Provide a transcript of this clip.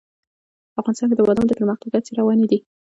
افغانستان کې د بادام د پرمختګ هڅې روانې دي.